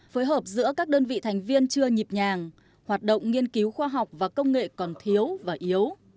phối hợp giữa các đơn vị thành viên chưa nhịp nhàng hoạt động nghiên cứu khoa học và công nghệ còn thiếu và yếu